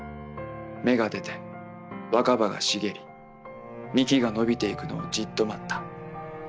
芽が出て若葉が茂り幹がのびてゆくのをじっと待った。